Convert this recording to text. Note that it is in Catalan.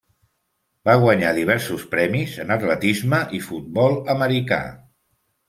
Va guanyar diversos premis en atletisme i futbol americà.